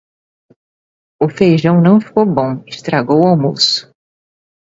O feijão não ficou bom, estragou o almoço.